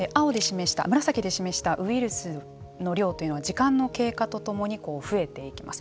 紫で示したウイルスの量というのは時間の経過とともに増えていきます。